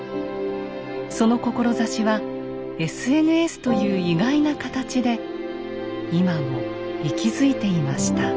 その志はＳＮＳという意外な形で今も息づいていました。